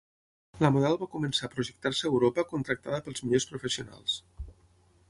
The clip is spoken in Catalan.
La model va començar a projectar-se a Europa, contractada pels millors professionals.